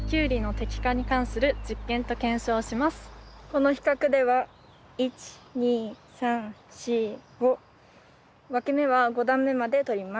この比較では１２３４５わき芽は５段目まで取ります。